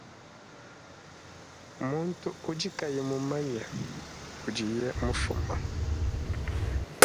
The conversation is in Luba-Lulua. Muntu udi kayi mumanye kudiye mufume.